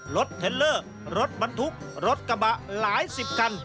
เทลเลอร์รถบรรทุกรถกระบะหลายสิบคัน